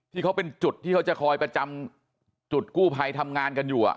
ที่เขาเป็นจุดที่เขาจะคอยประจำจุดกู้ภัยทำงานกันอยู่